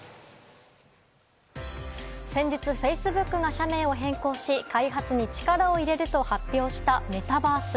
先日、フェイスブックが社名を変更し開発に力を入れると発表したメタバース。